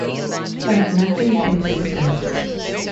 But nothing can do that.